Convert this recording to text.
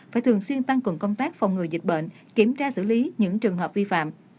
phải thường xuyên tăng cường công tác phòng ngừa dịch bệnh kiểm tra xử lý những trường hợp vi phạm